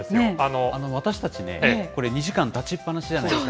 私たちね、これ、２時間立ちっぱなしじゃないですか。